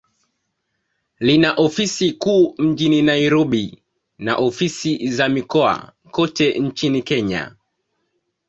Lina ofisi kuu mjini Nairobi, na ofisi za mikoa kote nchini Kenya.